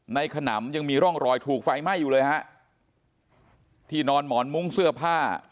ขนำยังมีร่องรอยถูกไฟไหม้อยู่เลยฮะที่นอนหมอนมุ้งเสื้อผ้า